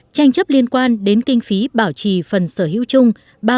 tranh chấp liên quan đến kinh phí bảo trì phần sở hữu chung ba mươi sáu